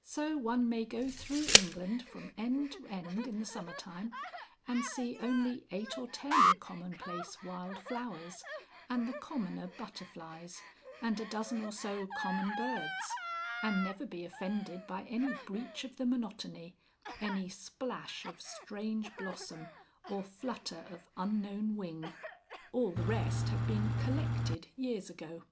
So one may go through England from end to end in the summer time and see only eight or ten commonplace wild flowers, and the commoner butterflies, and a dozen or so common birds, and never be offended by any breach of the monotony, any splash of strange blossom or flutter of unknown wing. All the rest have been "collected" years ago.